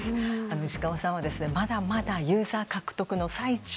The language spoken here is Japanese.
石川さんはまだまだユーザー獲得の最中。